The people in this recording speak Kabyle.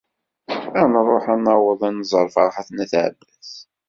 Ad nruḥ ad nɛawed ad d-nẓer Ferḥat n At Ɛebbas.